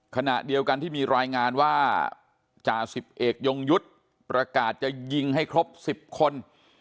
ขณะเดียวกันที่มีรายงานว่าจ่าสิบเอกยงยุทธ์ประกาศจะยิงให้ครบ๑๐คน